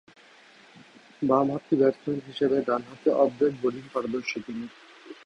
বামহাতি ব্যাটসম্যান হিসেবে ডানহাতে অফ ব্রেক বোলিংয়ে পারদর্শী তিনি।